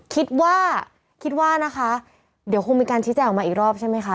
คิดว่าคิดว่านะคะเดี๋ยวคงมีการชี้แจงออกมาอีกรอบใช่ไหมคะ